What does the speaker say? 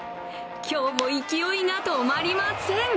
今日も勢いが止まりません。